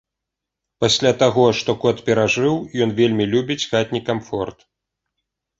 Пасля таго, што кот перажыў, ён вельмі любіць хатні камфорт.